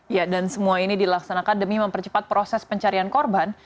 ya dan semua ini dilaksanakan demi mempercepat proses pencarian korban